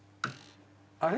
あれ？